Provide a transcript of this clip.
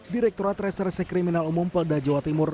direkturat reserse kriminal umum polda jawa timur